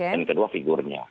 dan kedua figurnya